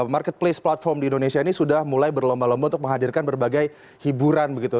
marketplace platform di indonesia ini sudah mulai berlomba lomba untuk menghadirkan berbagai hiburan begitu